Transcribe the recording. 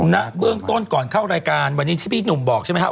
ณเบื้องต้นก่อนเข้ารายการวันนี้ที่พี่หนุ่มบอกใช่ไหมครับ